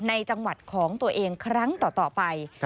ในจังหวัดของตัวเองครั้งต่อไป